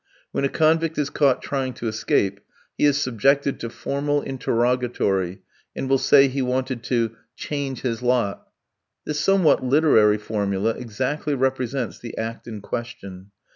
When a convict is caught trying to escape, he is subjected to formal interrogatory, and will say he wanted to change his lot. This somewhat literary formula exactly represents the act in question.